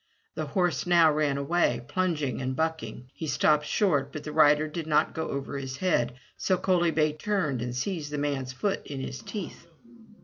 The horse now ran away, plunging and bucking; he stopped short, but the rider did not go over his head, so Coaly bay turned, and seized the man's foot in his teeth.